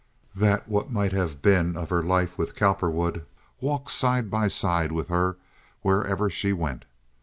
The what might have been of her life with Cowperwood walked side by side with her wherever she went.